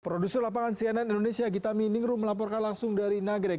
produser lapangan cnn indonesia gita miningrum melaporkan langsung dari nagrek